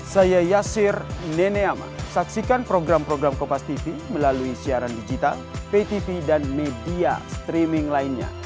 saya yasir neneama saksikan program program kompastv melalui siaran digital ptv dan media streaming lainnya